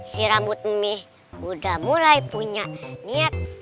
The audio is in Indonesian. si rambut mih udah mulai punya niat